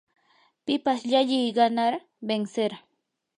pipas llalliy ganar, vencer